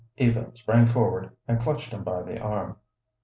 Eva sprang forward and clutched him by the arm.